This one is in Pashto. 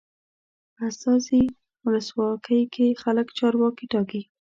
په استازي ولسواکۍ کې خلک چارواکي ټاکي.